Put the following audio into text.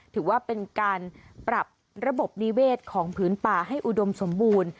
ถือว่าเป็นการปรับระบบนิเวศของพื้นป่าให้อุดมสมบูรณ์